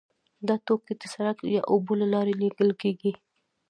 دا توکي د سړک یا اوبو له لارې لیږل کیږي